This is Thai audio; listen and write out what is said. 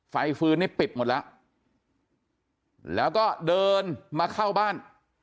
ไฟฟื้นนี่ปิดหมดแล้วแล้วก็เดินมาเข้าบ้าน